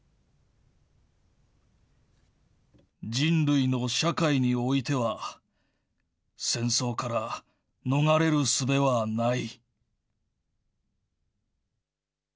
人類の社会においては、戦争から逃れるすべはない。